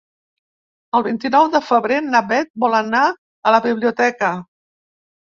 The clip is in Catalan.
El vint-i-nou de febrer na Bet vol anar a la biblioteca.